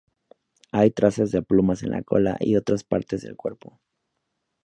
Hay trazas de plumas en la cola y otras partes del cuerpo.